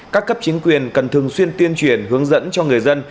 các cấp chính quyền cần thường xuyên tuyên truyền hướng dẫn cho người dân